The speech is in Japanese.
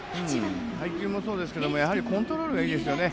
配球もそうですけどコントロールがいいですよね。